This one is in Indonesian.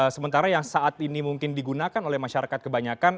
sementara yang saat ini mungkin digunakan oleh masyarakat kebanyakan